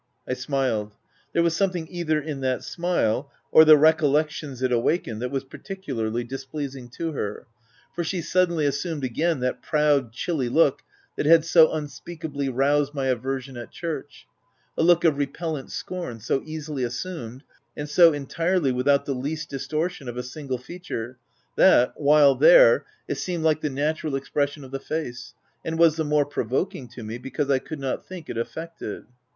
I smiled. — There was something either in that smile or the recollections it awakened that was particularly displeasing to her, for she sud denly assumed again that proud, chilly look that had so unspeakably roused my corruption at church — a look of repellent scorn, so easily assumed, and so entirely without the least dis tortion of a single feature that, while there, it 38 THE TENANT seemed like the natural expression of the face, and was the more provoking to me, because I could nor think it affected.